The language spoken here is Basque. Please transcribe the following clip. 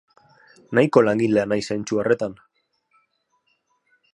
Nahiko langilea naiz zentzu horretan.